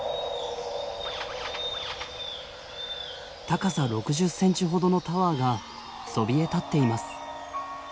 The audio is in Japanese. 高さ６０ｃｍほどのタワーがそびえ立っています。